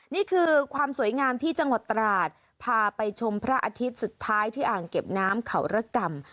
นี่คือความสวยงามที่จังหวัดตราดพาไปชมพระอาทิตย์สุดท้ายที่อ่างเก็บน้ำเขาระกรรม